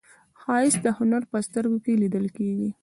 ښایست د هنر په سترګو کې لیدل کېږي